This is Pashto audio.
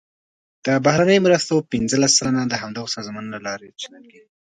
د بهرنیو مرستو پنځلس سلنه د همدغه سازمانونو له لوري چینل کیږي.